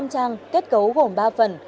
với hơn tám trăm linh trang kết cấu gồm ba phần